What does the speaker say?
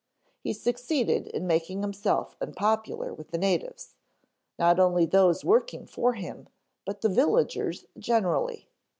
He's succeeded in making himself unpopular with the natives, not only those working for him but the villagers generally.